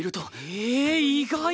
ええ意外！